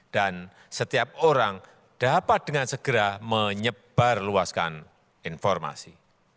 dan setiap orang dapat dengan mudah memproduksi informasi